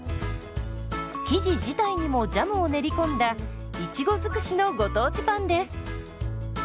生地自体にもジャムを練り込んだいちご尽くしのご当地パンです。